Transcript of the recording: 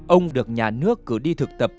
ông được nhà nước cử đi thực tập